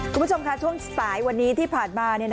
คุณผู้ชมค่ะช่วงสายวันนี้ที่ผ่านมา